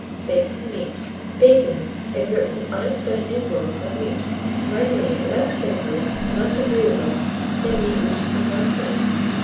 BAKING MEAT. Baking exerts some unexplained influence on meat, rendering it less savoury and less agreeable than meat which has been roasted.